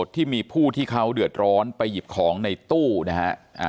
ที่มีผู้ที่เขาเดือดร้อนไปหยิบของในตู้นะฮะ